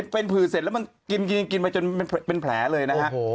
เป็นผืดเสร็จแล้วมันกินไปจนเป็นแผลเลยนะฮะ